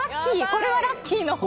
これはラッキーな。